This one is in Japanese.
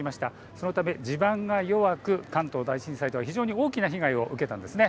そのため地盤が弱く関東大震災では非常に大きな被害を受けたんです。